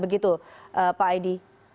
begitu pak aidi